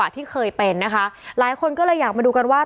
ที่เคยเป็นนะคะหลายคนก็เลยอยากมาดูกันว่า